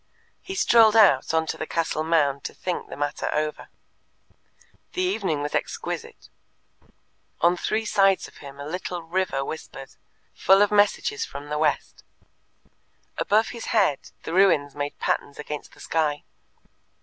He strolled out on to the castle mound to think the matter over. The evening was exquisite. On three sides of him a little river whispered, full of messages from the west; above his head the ruins made patterns against the sky.